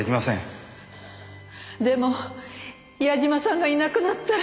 でも矢嶋さんがいなくなったら。